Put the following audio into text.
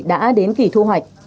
đã đến kỷ thu hoạch